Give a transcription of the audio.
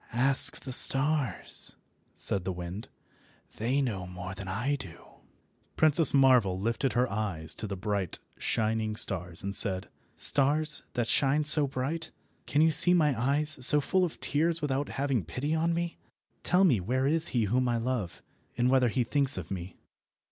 "Ask the stars," said the wind. "They know more than I do." Princess Marvel lifted up her eyes to the bright, shining stars, and said— "Stars, that shine so bright, can you see my eyes so full of tears without having pity on me? Tell me where is he whom I love, and whether he thinks of me."